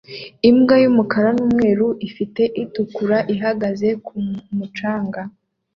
Imbwa y'umukara n'umweru ifite itukura ihagaze ku mucanga